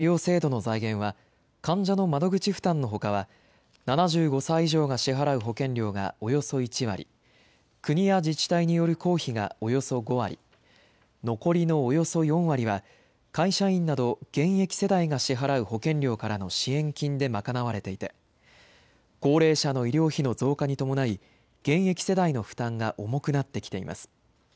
後期高齢者医療制度の財源は、患者の窓口負担のほかは、７５歳以上が支払う保険料がおよそ１割、国や自治体による公費がおよそ５割、残りのおよそ４割は、会社員など現役世代が支払う保険料からの支援金で賄われていて、高齢者の医療費の増加に伴い、現役世代の負担が重くなってきています。